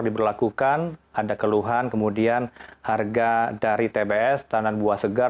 diberlakukan ada keluhan kemudian harga dari tbs tanan buah segar